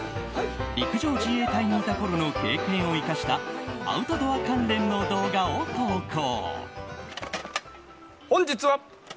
陸上自衛隊にいたころの経験を生かしたアウトドア関連の動画を投稿。